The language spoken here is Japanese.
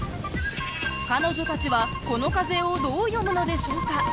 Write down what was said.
彼女たちはこの風をどう読むのでしょうか？